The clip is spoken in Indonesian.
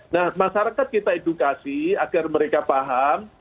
nah masyarakat kita edukasi agar mereka paham